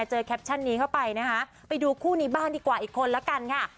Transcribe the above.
แคปชั่นนี้เข้าไปนะคะไปดูคู่นี้บ้างดีกว่าอีกคนละกันค่ะ